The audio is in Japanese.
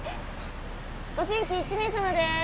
ご新規１名様です